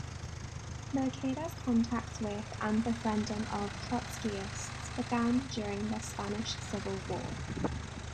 Mercader's contacts with and befriending of Trotskyists began during the Spanish Civil War.